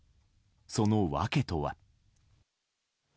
その訳とは。